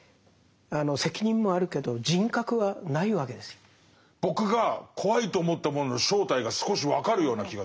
そこには僕が怖いと思ったものの正体が少し分かるような気がする。